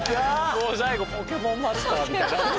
もう最後ポケモンマスターみたいな。